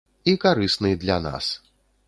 І карысны для нас.